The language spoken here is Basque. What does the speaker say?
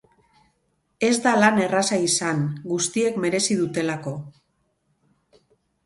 Ez dan lan erraza izan, guztiek merezi dutelako.